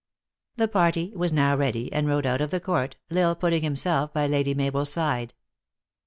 119 The party was now ready, and rode out of the court, L Isle putting himself by Lady Mabel s side.